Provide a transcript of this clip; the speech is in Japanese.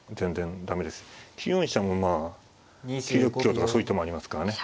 ９四飛車もまあ９六香とかそういう手もありますからね。